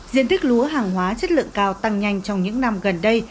diện tích lúa hàng hóa chất lượng cao tăng nhanh trong những năm gần đây